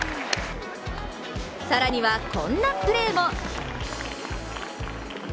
更にはこんなプレーも。